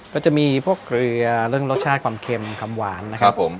ก็จะมีพวกเกลือเรื่องรสชาติความเค็มความหวานนะครับผม